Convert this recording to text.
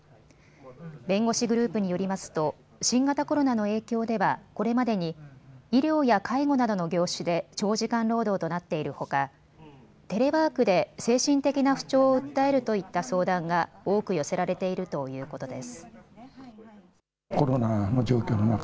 弁護士グループによりますと新型コロナの影響ではこれまでに医療や介護などの業種で長時間労働となっているほかテレワークで精神的な不調を訴えるといった相談が多く寄せられているということです。